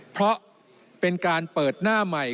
เพราะเป็นการเปิดหน้าใหม่